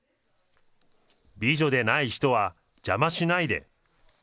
美女でない人は邪魔しないで。